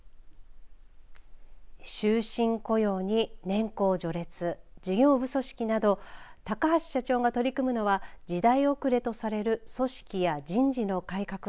終身雇用に年功序列事業部組織など高橋社長が取り組むのは時代遅れとされる組織や人事の改革